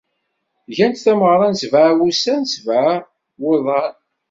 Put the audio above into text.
Gan tameɣra n sebεa wussan d sebεa wuḍan.